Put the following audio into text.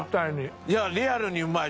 いやリアルにうまい。